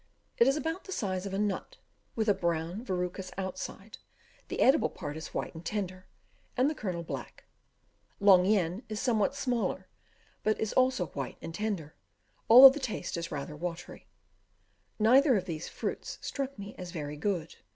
It is about the size of a nut, with a brown verrucous outside; the edible part is white and tender, and the kernel black. Long yen is somewhat smaller, but is also white and tender, though the taste is rather watery. Neither of these fruits struck me as very good.